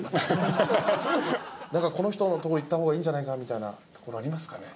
ハハハハこの人のところ行った方がいいんじゃないかみたいなところありますかね？